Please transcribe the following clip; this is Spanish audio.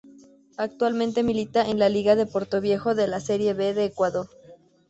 Actualmente milita en Liga de Portoviejo de la Serie B de Ecuador.